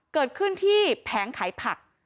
เกิดขึ้นที่แผงขายผัก